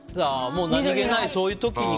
何気ない、そういう時に。